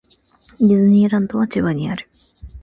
ディズニーランドは千葉にある